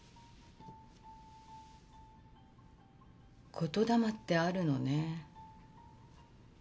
言霊ってあるのね。